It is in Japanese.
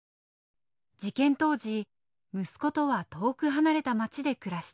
事件当時息子とは遠く離れた町で暮らしていた。